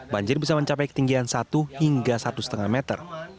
banjir bisa mencapai ketinggian satu hingga satu lima meter